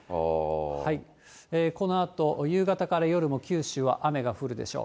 このあと夕方から夜も九州は雨が降るでしょう。